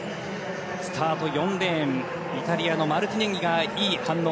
スタート、４レーンイタリアのマルティネンギがいい反応